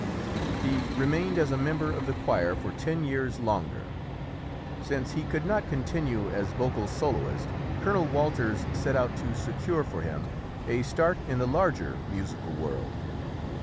He remained as a member of the choir for ten years longer. Since he could not continue as vocal soloist, Colonel Walters set out to secure for him a start in the larger musical world.